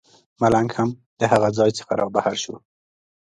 ملنګ هم د هغه ځای څخه رابهر شو.